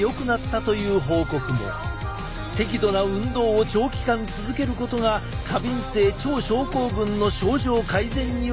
適度な運動を長期間続けることが過敏性腸症候群の症状改善には有効だ。